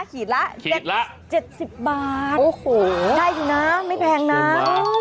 ขีดละ๗๐บาทใช่จริงนะไม่แพงนะโอ้โฮ